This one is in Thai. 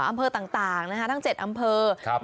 อำเพอต่างต่างนะฮะทั้งเจ็ดอำเพอครับ